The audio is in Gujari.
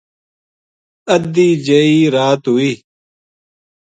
ادھی جئی رات ہوئی